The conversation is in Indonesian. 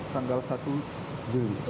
tanggal satu juli